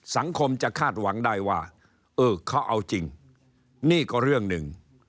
สังคมจะคาดหวังได้ว่าเออเขาเอาจริงนี่ก็เรื่องหนึ่ง